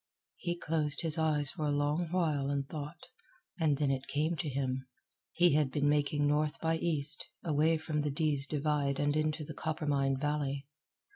He closed his eyes for a long while and thought, and then it came to him. He had been making north by east, away from the Dease Divide and into the Coppermine Valley.